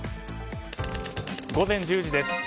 午前１０時です。